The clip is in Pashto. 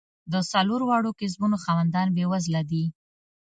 د څلور واړو کسبونو خاوندان بېوزله دي.